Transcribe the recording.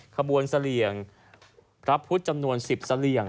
ขบวนเสลี่ยงรับพุฒิจำนวนสิบเสลี่ยง